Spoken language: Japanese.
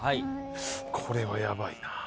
これはヤバいな。